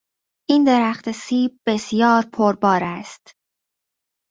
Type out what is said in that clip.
این درخت سیب بسیار پر بار است.